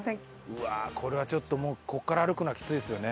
うわあこれはちょっともうここから歩くのはきついですよね